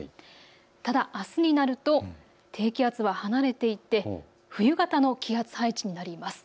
ただ、あすになると低気圧は離れていって冬型の気圧配置になります。